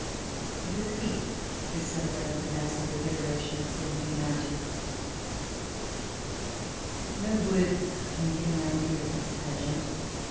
It was he who celebrated the mass of the Federation of 1790. No words can give any idea of this pageant.